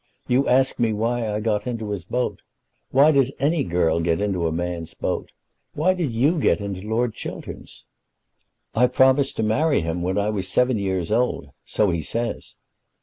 You ask me why I got into his boat. Why does any girl get into a man's boat? Why did you get into Lord Chiltern's?" "I promised to marry him when I was seven years old; so he says."